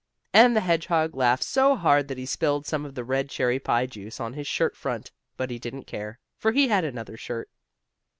And the hedgehog laughed so hard that he spilled some of the red cherry pie juice on his shirt front, but he didn't care, for he had another shirt.